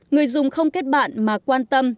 người dùng không kết bạn mà quan tâm